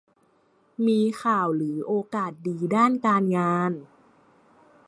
มีข่าวหรือโอกาสดีด้านการงาน